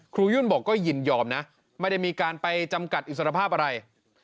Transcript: ยุ่นบอกก็ยินยอมนะไม่ได้มีการไปจำกัดอิสรภาพอะไร